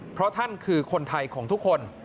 เพราะท่านคือคนไทยของทุกคน